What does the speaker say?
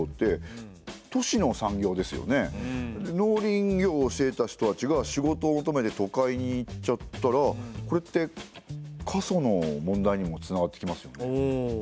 農林業をしていた人たちが仕事を求めて都会に行っちゃったらこれって過疎の問題にもつながってきますよね。